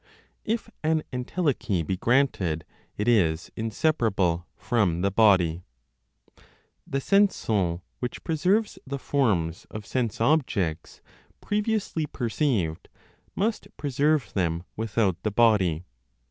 IF AN ENTELECHY BE GRANTED, IT IS INSEPARABLE FROM THE BODY. The sense soul, which preserves the forms of sense objects previously perceived, must preserve them without the body.